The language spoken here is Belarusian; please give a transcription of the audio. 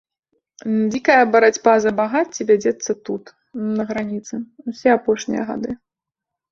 Дзікая барацьба за багацце вядзецца тут, на граніцы, усе апошнія гады.